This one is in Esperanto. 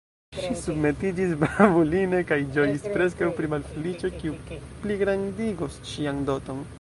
Ŝi submetiĝis bravuline, kaj ĝojis preskaŭ pri malfeliĉo, kiu pligrandigos ŝian doton.